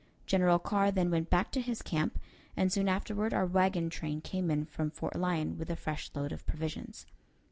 General Carr then went back to his camp, and soon afterward our wagon train came in from Fort Lyon with a fresh load of provisions.